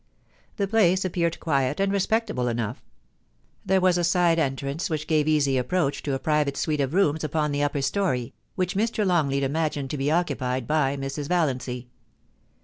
The place appeared quiet and respectable enough. There was a side entrance, which gave easy approach to a private suite of rooms upon the upper story, which Mr. Longleat imagined to be occupied by Mrs. Valiancy.